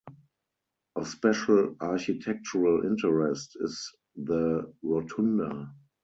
Of special architectural interest is the rotunda.